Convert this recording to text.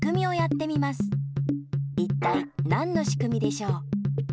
いったいなんのしくみでしょう？